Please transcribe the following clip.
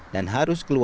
dan harus keluar